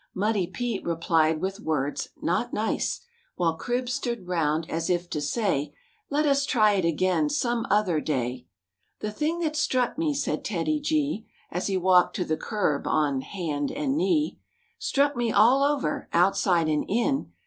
Muddy Pete replied with words not 'j While Cribs stood round as if to say \\*' Let us try it again some other "—\\" The thing that struck me," said \\ TEDDY G, \ As he walked to the curb on hand and knee. "Struck me all over, outside and in.